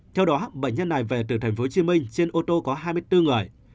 theo đó bệnh nhân này về từ tp hcm trên ô tô có hai mươi bốn người